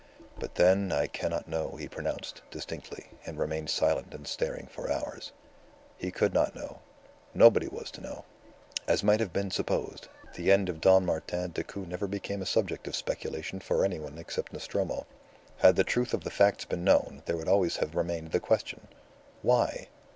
"But, then, I cannot know," he pronounced, distinctly, and remained silent and staring for hours. He could not know. Nobody was to know. As might have been supposed, the end of Don Martin Decoud never became a subject of speculation for any one except Nostromo. Had the truth of the facts been known, there would always have remained the question. Why?